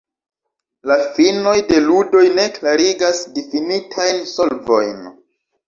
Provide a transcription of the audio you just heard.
La finoj de ludoj ne klarigas difinitajn solvojn.